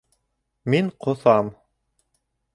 Мин ҡоҫам